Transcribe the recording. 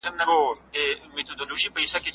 امنیت د هر وګړي حق دی.